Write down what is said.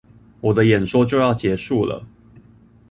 我的演說就要結束了